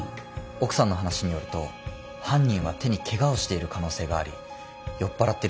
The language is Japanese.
奥さんの話によると犯人は手にケガをしている可能性があり酔っ払ってる様子だった。